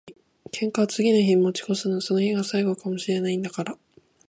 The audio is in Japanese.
喧嘩は次の日に持ち越すな。その日が最後かも知れないんだから。